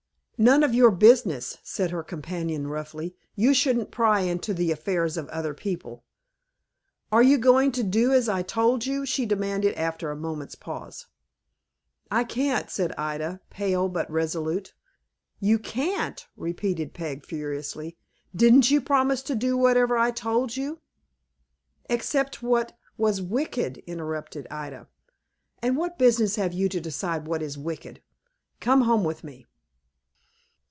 "None of your business," said her companion, roughly. "You shouldn't pry into the affairs of other people." "Are you going to do as I told you?" she demanded, after a moment's pause. "I can't," said Ida, pale but resolute. "You can't," repeated Peg, furiously. "Didn't you promise to do whatever I told you?" "Except what was wicked," interrupted Ida. "And what business have you to decide what is wicked? Come home with me."